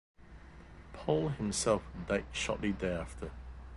Paul himself died shortly thereafter.